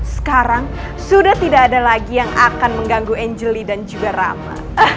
sekarang sudah tidak ada lagi yang akan mengganggu angeli dan juga rama